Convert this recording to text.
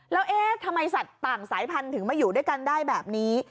แล้วเอ๊ะทำไมสัตว์ต่างสายพันธุ์ถึงมาอยู่ด้วยกันได้แบบนี้